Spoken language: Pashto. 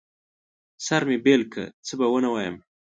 سر مې بېل که، څه به ونه وايم.